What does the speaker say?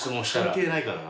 関係ないからな。